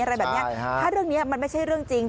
อะไรแบบนี้ถ้าเรื่องนี้มันไม่ใช่เรื่องจริง